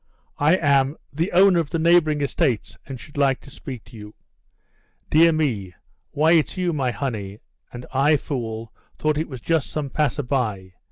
"I am the owner of the neighbouring estates, and should like to speak to you." "Dear me; why, it's you, my honey; and I, fool, thought it was just some passer by.